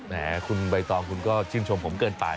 แหมคุณใบตองคุณก็ชื่นชมผมเกินไป